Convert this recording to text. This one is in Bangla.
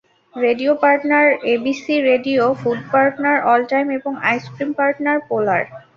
Radio partner ABC radio, food partner all time এবং আইসক্রিম পার্টনার পোলার।